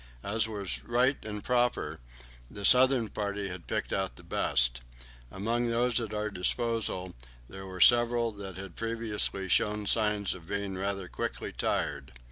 As was right and proper, the southern party had picked out the best. Among those at our disposal there were several that had previously shown signs of being rather quickly tired.